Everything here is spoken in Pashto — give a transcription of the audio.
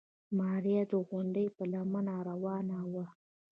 ماريا د غونډۍ په لمنه روانه وه.